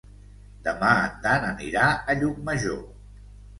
Demà en Dan anirà a Llucmajor.